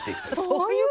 そういうこと？